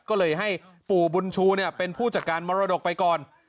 ก็เลยให้ปู่บุญชูเป็นผู้จัดการมรดกไปก่อน